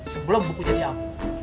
sebelum buku jadi abu